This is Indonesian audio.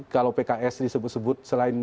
kalau pks disebut sebut selain